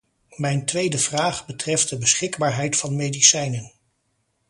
Mijn tweede vraag betreft de beschikbaarheid van medicijnen.